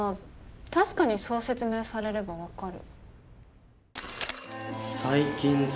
確かにそう説明されれば分かる。